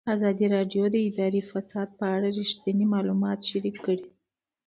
ازادي راډیو د اداري فساد په اړه رښتیني معلومات شریک کړي.